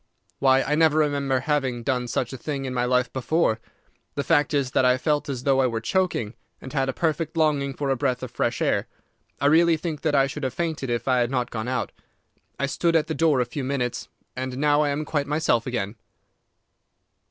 'Why, I never remember having done such a thing in my life before. The fact is that I felt as though I were choking, and had a perfect longing for a breath of fresh air. I really think that I should have fainted if I had not gone out. I stood at the door for a few minutes, and now I am quite myself again.